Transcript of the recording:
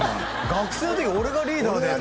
「学生の時俺がリーダーだった」